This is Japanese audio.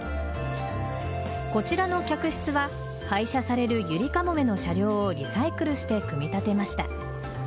こちらの客室は廃車されるゆりかもめの車両をリサイクルして組み立てました。